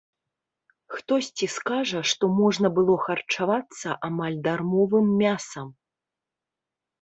Хтосьці скажа, што можна было харчавацца амаль дармовым мясам.